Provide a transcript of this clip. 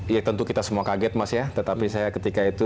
ya tentu kita semua kaget mas ya tetapi saya ketika itu